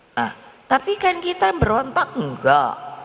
nah tapi kan kita berontak enggak